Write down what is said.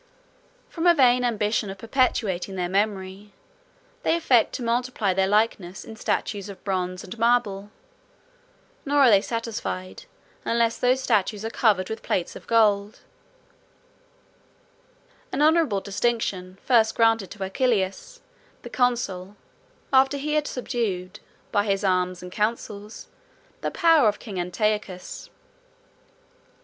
From a vain ambition of perpetuating their memory, they affect to multiply their likeness, in statues of bronze and marble; nor are they satisfied, unless those statues are covered with plates of gold; an honorable distinction, first granted to Acilius the consul, after he had subdued, by his arms and counsels, the power of King Antiochus.